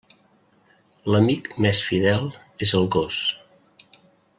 L'amic més fidel és el gos.